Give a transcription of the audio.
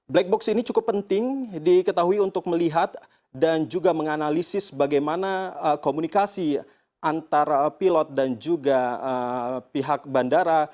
black box ini cukup penting diketahui untuk melihat dan juga menganalisis bagaimana komunikasi antara pilot dan juga pihak bandara